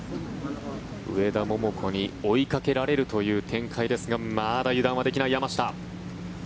上田桃子に追いかけられるという展開ですがまだ油断はできない山下。